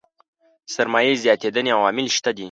سرمايې زياتېدنې عوامل شته دي.